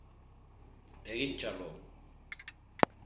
Egin txalo.